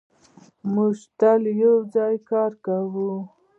موږ تل یو ځای کار کوو.